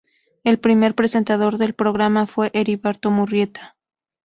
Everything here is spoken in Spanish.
El primer presentador del programa fue Heriberto Murrieta.